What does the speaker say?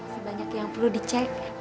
sebanyak yang perlu dicek